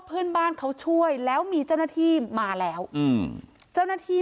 เพื่อนบ้านเขาช่วยแล้วมีเจ้าหน้าที่มาแล้วอืมเจ้าหน้าที่